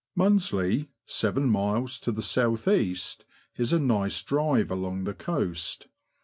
Mundsley, seven miles to the south east, is a nice drive along the coast.